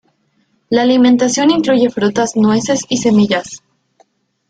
La alimentación incluye frutas, nueces y semillas.